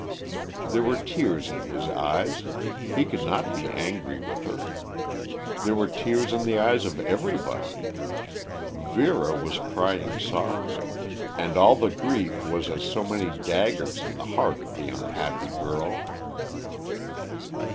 There were tears in his eyes; he could not be angry with her. There were tears in the eyes of everybody. Vera was crying softly. And all the grief was as so many daggers in the heart of the unhappy girl.